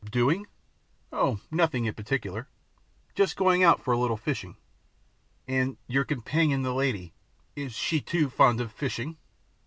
"Doing? Oh, nothing in particular, just going out for a little fishing." "And your companion the lady is she too fond of fishing?"